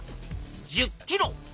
１０キロ！